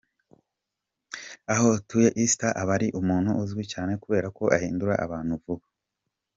Aho atuye Esther aba ari umuntu uzwi cyane kubera ko ahindura bantu vuba.